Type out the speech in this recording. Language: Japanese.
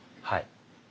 はい。